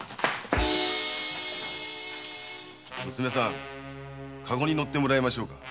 駕籠に乗ってもらいましょう。